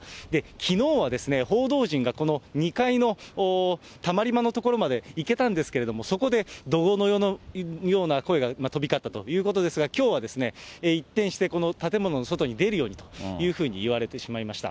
きのうは報道陣がこの２階のたまり場の所まで行けたんですけれども、そこで怒号のような声が飛び交ったということですが、きょうは一転して、この建物の外に出るようにというふうに言われてしまいました。